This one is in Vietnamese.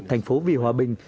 thành phố vì hòa bình